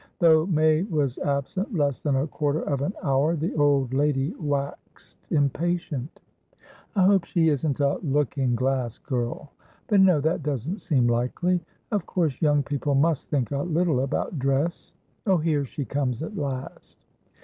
Though May was absent less than a quarter of an hour, the old lady waxed impatient. "I hope she isn't a looking glass girl. But no, that doesn't seem likely. Of course young people must think a little about dressOh, here she comes at last."